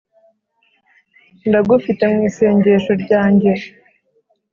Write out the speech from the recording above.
ndagufite mu isengesho ryanjye.